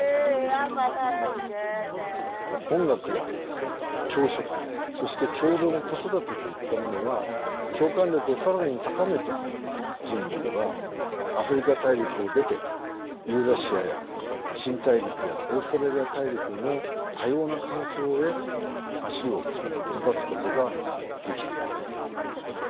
音楽や共食そして共同の子育てといったものは共感力を更に高めて人類はアフリカ大陸を出てユーラシアや新大陸やオーストラリア大陸の多様な環境へ足を延ばすことができたんです。